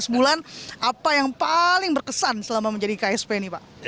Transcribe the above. lima belas bulan apa yang paling berkesan selama menjadi ksp ini pak